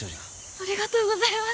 ありがとうございます。